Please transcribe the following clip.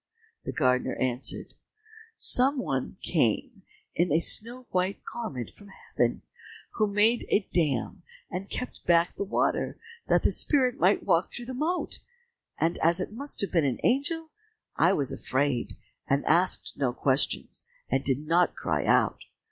The gardener answered, "Some one came in a snow white garment from heaven who made a dam, and kept back the water, that the spirit might walk through the moat. And as it must have been an angel, I was afraid, and asked no questions, and did not cry out.